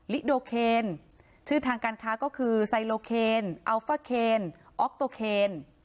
โดเคนชื่อทางการค้าก็คือไซโลเคนอัลฟ่าเคนออกโตเคน